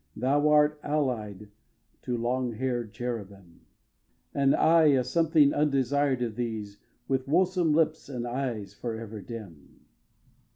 Thou art allied to long hair'd cherubim, And I a something undesired of these, With woesome lips and eyes for ever dim.